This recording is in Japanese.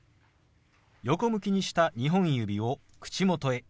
横向きにした２本指を口元へ。